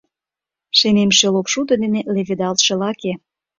Шемемше лопшудо дене леведалтше лаке.